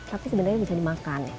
tapi sebenarnya bisa dimakan